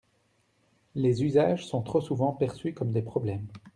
Les usages sont trop souvent perçus comme des problèmes.